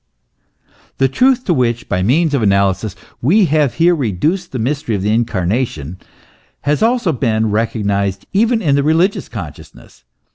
The truth to which, by means of analysis, we have here reduced the mystery of the Incarnation, has also been recognised even in the religious consciousness.